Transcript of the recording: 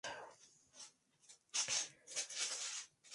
El desarrollo de la melena está relacionado con la edad.